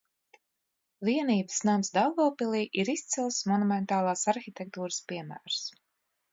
Vienības nams Daugavpilī ir izcils monumentālās arhitektūras piemērs.